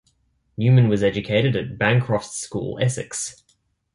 Newman was educated at Bancroft's School, Essex.